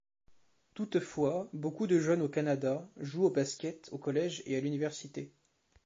Toutefois beaucoup de jeunes au Canada jouent au basket au collège et à l'université.